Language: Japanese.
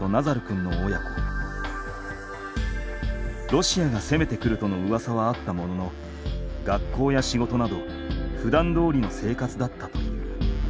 ロシアが攻めてくるとのうわさはあったものの学校や仕事などふだんどおりの生活だったという。